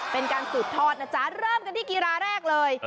เป็นการสืบทอดนะจ๊ะเริ่มกันที่กีฬาแรกเลย